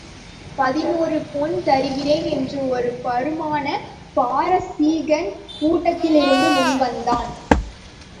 பதினொரு பொன் தருகிறேன் என்று ஒரு பருமனான பாரசீகன் கூட்டத்திலிருந்து முன்வந்தான்.